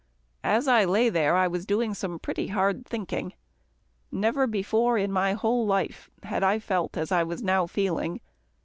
As I lay there, I was doing some pretty hard thinking. Never before in my whole life had I felt as I was now feeling.